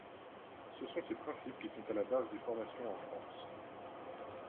Ce sont ces principes qui sont à la base des formations en France.